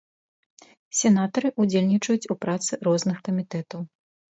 Сенатары ўдзельнічаюць у працы розных камітэтаў.